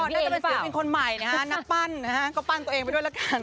น่าจะเป็นศิลปินคนใหม่นะฮะนักปั้นนะฮะก็ปั้นตัวเองไปด้วยละกัน